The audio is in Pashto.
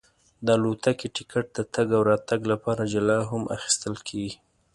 د الوتکې ټکټ د تګ او راتګ لپاره جلا هم اخیستل کېږي.